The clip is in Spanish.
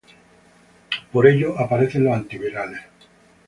Por ello aparecen los antivirales.